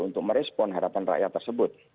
untuk merespon harapan rakyat tersebut